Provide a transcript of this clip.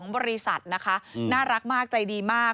บริษัทนะคะน่ารักมากใจดีมาก